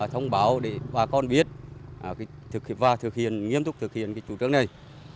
thông báo để bà con biết và nghiêm túc thực hiện chủ trương này